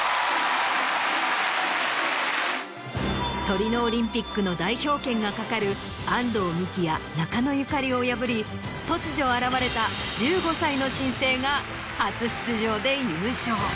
トリノオリンピックの代表権がかかる安藤美姫や中野友加里を破り突如現れた１５歳の新星が。